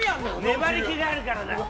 粘り気があるからな。